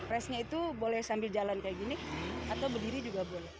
resnya itu boleh sambil jalan kayak gini atau berdiri juga boleh